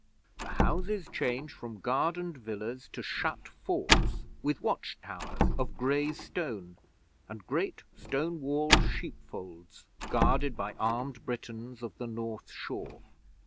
'The houses change from gardened villas to shut forts with watch towers of grey stone, and great stone walled sheepfolds, guarded by armed Britons of the North Shore.